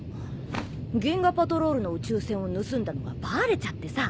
銀河パトロールの宇宙船を盗んだのがバレちゃってさ